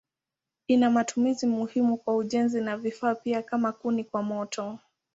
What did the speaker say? Ina matumizi muhimu kwa ujenzi na vifaa pia kama kuni kwa moto.